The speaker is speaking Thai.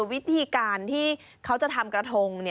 วิธีการที่เขาจะทำกระทง